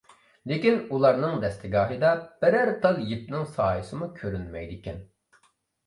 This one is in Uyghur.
لېكىن ئۇلارنىڭ دەستىگاھىدا بىرەر تال يىپنىڭ سايىسىمۇ كۆرۈنمەيدىكەن.